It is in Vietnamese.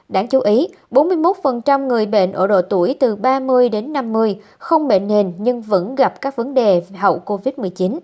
đáng chú ý bốn mươi một người bệnh ở độ tuổi từ ba mươi đến năm mươi không bệnh nền nhưng vẫn gặp các vấn đề hậu covid một mươi chín